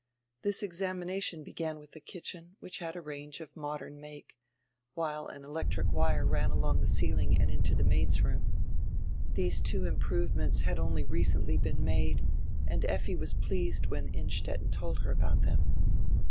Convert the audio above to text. This examination began with tire kitchen, which had a range of modern make, while air electric wire ran along tire ceiling and into tire maids' roonr. These two improvements had only recently been nrade, and Effi was pleased when Innstetten told her about them.